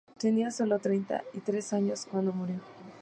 Tenía sólo treinta y tres años cuando murió.